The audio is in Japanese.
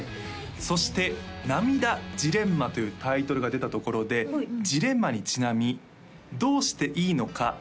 そして「ナミダジレンマ」というタイトルが出たところでジレンマにちなみどうしていいのか困った出来事ありますか？